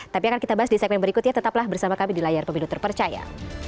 tapi akan kita bahas di segmen berikutnya tetaplah bersama kami di layar pemilu terpercaya